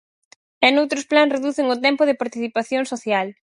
E noutros plans reducen o tempo de participación social.